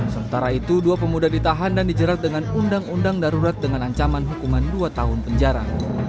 sementara itu dua pemuda ditahan dan dijerat dengan undang undang darurat dengan ancaman hukuman dua tahun penjara